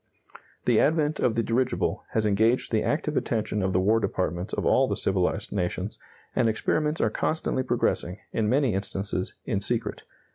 The advent of the dirigible has engaged the active attention of the war departments of all the civilized nations, and experiments are constantly progressing, in many instances in secret.